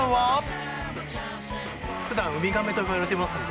ふだんウミガメと呼ばれてますんで。